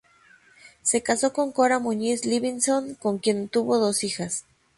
Se casó con Cora Muñiz Livingston, con quien tuvo dos hijas.